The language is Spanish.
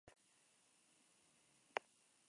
Incluso obtuvo una sexta parte de la isla.